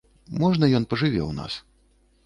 Можна ён пажыве ў нас?